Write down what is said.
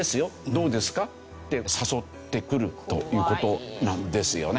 どうですか？」って誘ってくるという事なんですよね。